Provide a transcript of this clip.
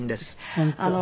本当。